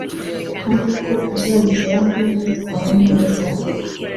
kandi ko azabigeraho yitwara neza,